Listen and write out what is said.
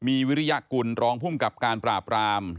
มีวิริยากุลรองพุ่งกับการปราบปราหมณ์